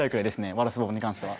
ワラスボに関しては。